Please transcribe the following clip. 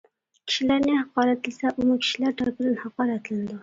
كىشىلەرنى ھاقارەتلىسە ئۇمۇ كىشىلەر تەرىپىدىن ھاقارەتلىنىدۇ.